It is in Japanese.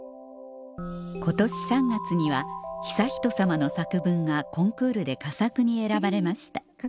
今年３月には悠仁さまの作文がコンクールで佳作に選ばれました